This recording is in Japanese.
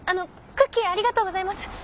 クッキーありがとうございます。